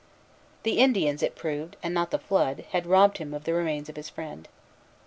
The Indians, it proved, and not the flood, had robbed him of the remains of his friend.